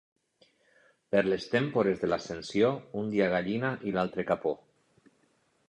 Per les témpores de l'Ascensió, un dia gallina i l'altre capó.